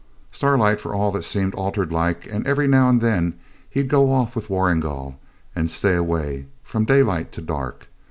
Starlight for all that seemed altered like, and every now and then he'd go off with Warrigal and stay away from daylight to dark.